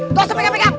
gak usah pegang pegang